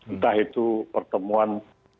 entah itu pertemuan tersebut